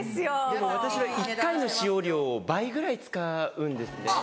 でも私は１回の使用量を倍ぐらい使うんですね。